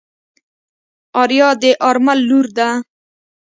آريا د آرمل لور ده.